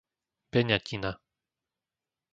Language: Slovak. Beňatina